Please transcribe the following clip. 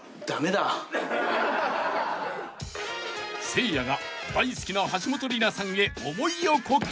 ［せいやが大好きな橋本梨菜さんへ思いを告白］